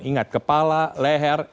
ingat kepala leher